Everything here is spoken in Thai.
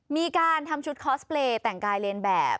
มีการทำชุดคอสเปรย์แต่งกายเรียนแบบ